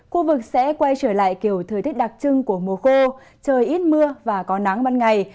khu vực sẽ quay trở lại kiểu thời tiết đặc trưng của mùa khô trời ít mưa và có nắng ban ngày